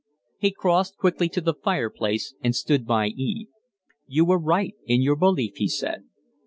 He crossed quickly to the fireplace and stood by Eve. "You were right in your belief," he said.